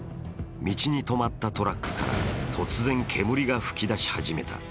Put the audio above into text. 道に止まったトラックから突然、煙が噴き出し始めた。